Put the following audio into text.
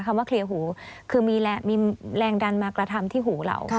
คำว่าเคลียร์หูคือมีแรงดันมากระทำที่หูเรา